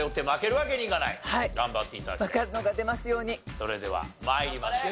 それでは参りましょう。